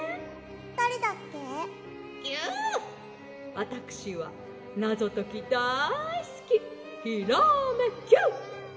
わたくしはナゾときだいすきヒラメＱですわ」。